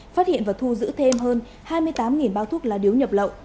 phát hiện và thu giữ thêm hơn hai mươi tám bao thuốc lá điếu nhập lậu